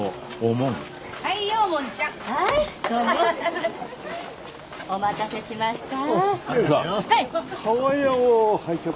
お待たせしました。